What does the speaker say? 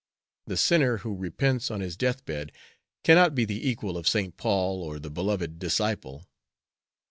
The sinner who repents on his death bed cannot be the equal of St. Paul or the Beloved Disciple."